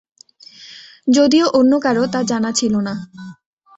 যদিও অন্য কারো তা জানা ছিল না।